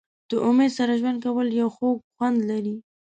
د امید سره ژوند کول یو خوږ خوند لري.